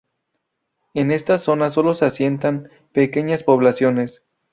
En esta zona sólo se asientan pequeñas poblaciones.